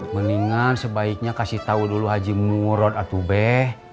mendingan sebaiknya kasih tau dulu haji murad atubeh